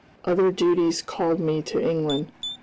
Other duties called me to England.